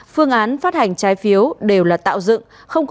phương án phát hành trái phiếu đều là tạo dựng